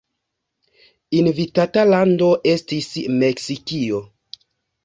Invitata lando estis Meksikio.